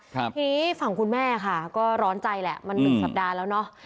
ทีนี้ฝั่งคุณแม่ค่ะก็ร้อนใจแหละมันหนึ่งสัปดาห์แล้วเนอะ